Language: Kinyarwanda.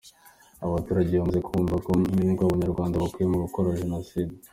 Abaturage bamaze kumva ko nta nyungu Abanyarwanda bakuye mu gukora Jenoside.